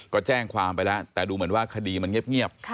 ก็แจ้งความไปแล้วแต่ดูเหมือนว่าคดีมันเงียบ